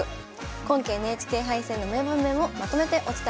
今期ＮＨＫ杯戦の名場面をまとめてお伝えします。